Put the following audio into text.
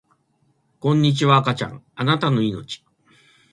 こんにちは赤ちゃんあなたの生命